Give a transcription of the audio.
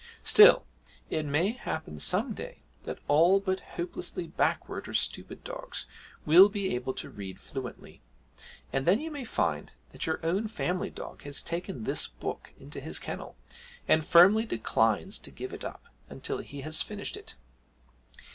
Still, it may happen some day that all but hopelessly backward or stupid dogs will be able to read fluently, and then you may find that your own family dog has taken this book into his kennel, and firmly declines to give it up until he has finished it.